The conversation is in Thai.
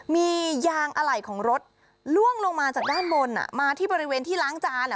มียางอะไหล่ของรถล่วงลงมาจากด้านบนมาที่บริเวณที่ล้างจาน